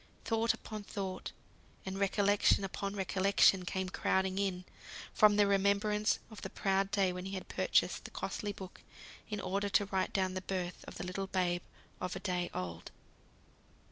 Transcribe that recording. Thought upon thought, and recollection upon recollection came crowding in, from the remembrance of the proud day when he had purchased the costly book, in order to write down the birth of the little babe of a day old.